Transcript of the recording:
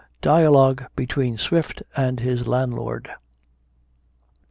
DIALOGUE BETWEEN SWIFT AND HIS LANDLORD.